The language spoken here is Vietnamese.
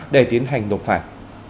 để tiến hành nộp phạt